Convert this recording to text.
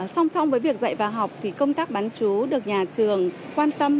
song song với việc dạy và học thì công tác bán chú được nhà trường quan tâm